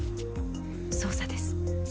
捜査です。